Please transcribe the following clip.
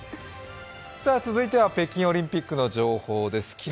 続いては北京オリンピックの情報です。